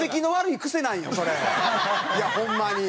いやホンマに。